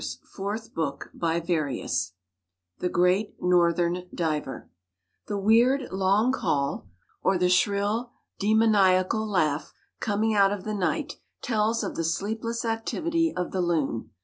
Scott FOOTNOTES: Cattle THE GREAT NORTHERN DIVER The weird, long call, or the shrill, demoniacal laugh coming out of the night tells of the sleepless activity of the loon.